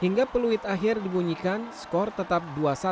hingga peluit akhir dibunyikan skor tetap dua satu